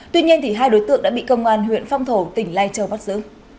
tội công tác đã bị công an huyện phong thổ tỉnh lai châu bắt giữ